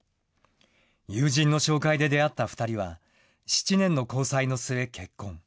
友人の紹介で出会った２人は、７年の交際の末、結婚。